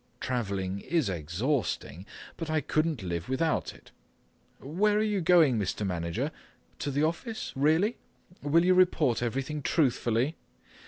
Travelling is exhausting, but I couldn't live without it. Where are you going, Mr. Manager? To the office? Really? Will you report everything truthfully?